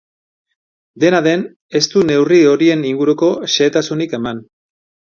Dena den, ez du neurri horien inguruko xehetasunik eman.